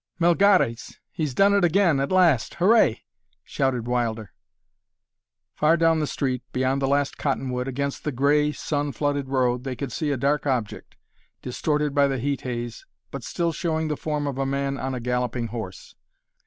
"Melgares! He's done it at last! Hooray!" shouted Wilder. Far down the street, beyond the last cottonwood, against the gray, sun flooded road, they could see a dark object, distorted by the heat haze, but still showing the form of a man on a galloping horse.